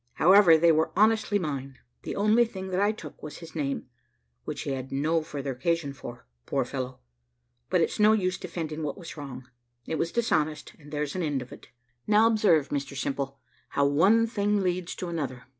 However, they were honestly mine; the only thing that I took was his name, which he had no further occasion for, poor fellow! But it's no use defending what was wrong it was dishonest, and there's an end of it. "Now observe, Mr Simple, how one thing leads to another.